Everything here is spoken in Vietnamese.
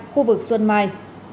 khu vực xuân mai